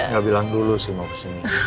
gak bilang dulu sih mau kesini